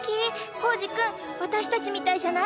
コウジ君私たちみたいじゃない？